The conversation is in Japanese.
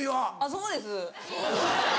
そうです。